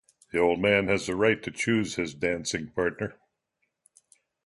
The Old Man has the right to choose his dancing partner.